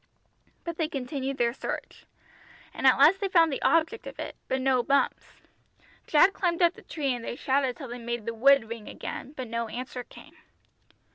But they continued their search. And at last they found the object of it, but no Bumps. Jack climbed up the tree and they shouted till they made the wood ring again, but no answer came.